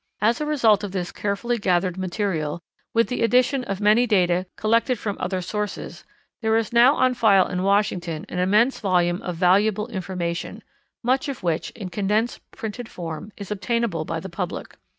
As a result of this carefully gathered material, with the addition of many data collected from other sources, there is now on file in Washington an immense volume of valuable information, much of which, in condensed printed form, is obtainable by the public.